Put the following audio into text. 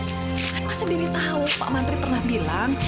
bukan masa diri tahu pak menteri pernah bilang